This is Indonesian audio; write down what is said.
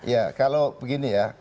ya kalau begini ya